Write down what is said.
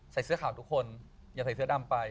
เสื้อขาวทุกคนอย่าใส่เสื้อดำไป